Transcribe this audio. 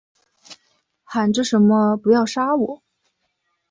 喊着什么不要杀我